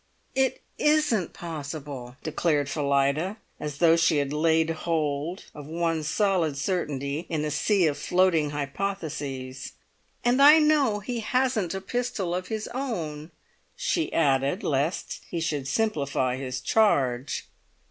"It isn't possible," declared Phillida, as though she had laid hold of one solid certainty in a sea of floating hypotheses. "And I know he hasn't a pistol of his own," she added, lest he should simplify his charge.